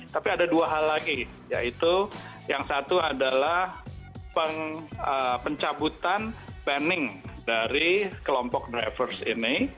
tapi ada dua hal lagi yaitu yang satu adalah pencabutan paning dari kelompok drivers ini